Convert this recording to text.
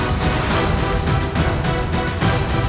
apa yang anda lakukan